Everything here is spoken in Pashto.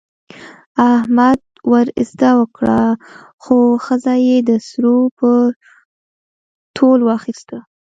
احمد وزده وکړه، خو ښځه یې د سرو په تول واخیسته.